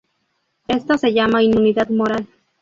Esto se llama inmunidad humoral.